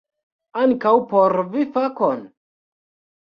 Ankaŭ por vi kafon?